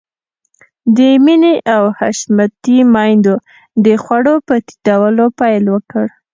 د مينې او حشمتي ميندو د خوړو په تيتولو پيل وکړ.